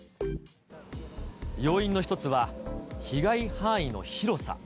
要因の一つは、被害範囲の広さ。